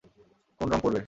কোন রং পরবে!